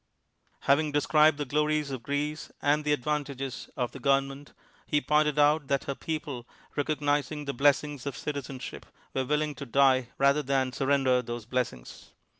Having described the glories of Greece and the advantages of the government, he pointed out that her people, recognizing the blessings of citi zenship, were willing to die rather than surren der those blessings.